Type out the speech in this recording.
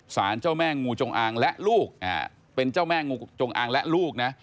สารเจ้าแม่งูจงอางและลูกเป็นเจ้าแม่งูจงอางและลูกนะ